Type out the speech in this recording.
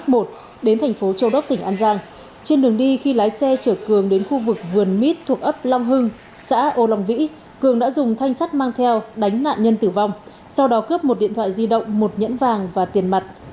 đến thành phố châu đốc tỉnh an giang trên đường đi khi lái xe chở cường đến khu vực vườn mít thuộc ấp long hưng xã ô long vĩ cường đã dùng thanh sắt mang theo đánh nạn nhân tử vong sau đó cướp một điện thoại di động một nhẫn vàng và tiền mặt